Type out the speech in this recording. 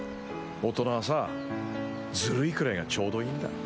大人はさ、ずるいくらいがちょうどいいんだ。